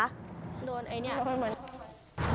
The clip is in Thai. โดนไอ้เนี่ย